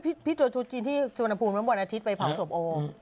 พี่ทัวร์ทัวร์จีนที่สวนภูมิมันบ่วนอาทิตย์ไปเผาสวบโอ